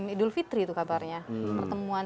idul fitri itu kabarnya pertemuan